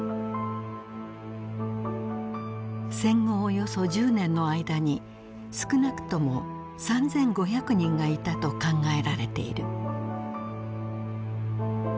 戦後およそ１０年の間に少なくとも３，５００人がいたと考えられている。